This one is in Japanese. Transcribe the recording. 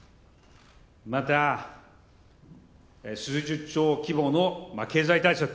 また、数十兆規模の経済対策。